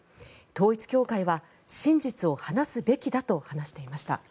統一教会は真実を話すべきだと話していました。